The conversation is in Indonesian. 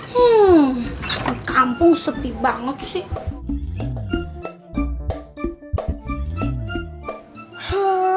hmm kampung sepi banget sih